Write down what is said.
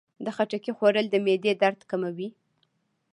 د خټکي خوړل د معدې درد کموي.